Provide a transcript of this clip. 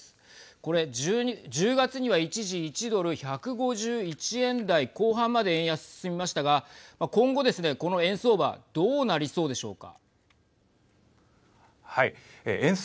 これ、１０月には一時１ドル１５１円台後半まで円安進みましたが今後ですね、この円相場どうなりそうでしょうか。